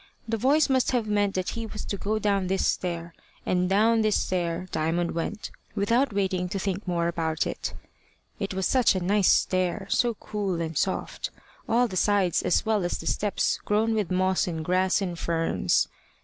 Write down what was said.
The voice must have meant that he was to go down this stair; and down this stair Diamond went, without waiting to think more about it. It was such a nice stair, so cool and soft all the sides as well as the steps grown with moss and grass and ferns!